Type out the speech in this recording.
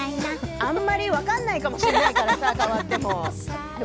あんまり分からないかもしれないからさ、変わっても。